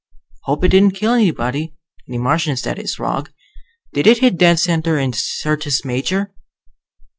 "Hope it didn't kill anybody. Any Martians, that is. Rog, did it hit dead center in Syrtis Major?"